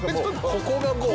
ここがもう。